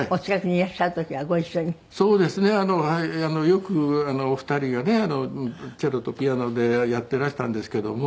よくお二人がねチェロとピアノでやっていらしたんですけども。